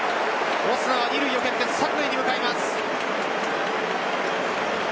オスナが二塁を蹴って三塁に向かいます。